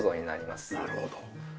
なるほど。